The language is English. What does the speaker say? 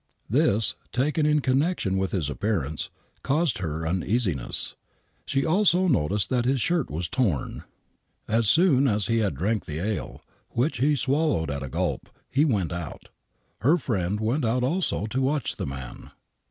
This, taken in connection with his appearance, caused her uneasiness. She also noticed that his shirt was torn. As soon as THE WHITECHAPEL MURDERS 33 in he had drank the ale, which he swallowed at a gulp, he went out. Her friend went out also to watch the man.